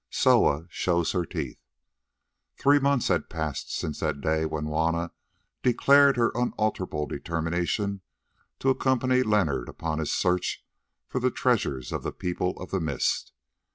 SOA SHOWS HER TEETH Three months had passed since that day, when Juanna declared her unalterable determination to accompany Leonard upon his search for the treasures of the People of the Mist.